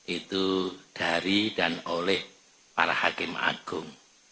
itu dari dan oleh para hakim agung